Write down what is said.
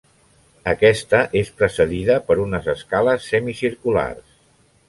Aquesta és precedida per unes escales semicirculars.